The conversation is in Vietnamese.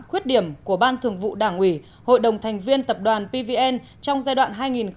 khuyết điểm của ban thường vụ đảng ủy hội đồng thành viên tập đoàn pvn trong giai đoạn hai nghìn chín hai nghìn một mươi một